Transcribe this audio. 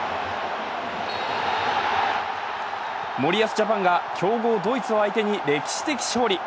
森保ジャパンが強豪ドイツを相手に歴史的勝利。